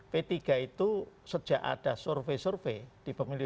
p tiga itu sejak ada survei survei di pemilu dua ribu sembilan